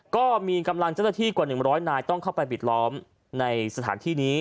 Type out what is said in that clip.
ก็มีกำลังเจ้าหน้าที่กว่า๑๐๐นายต้องเข้าไปปิดล้อมในสถานที่นี้